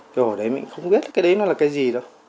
cái hồi đấy mình không biết cái đấy nó là cái gì đâu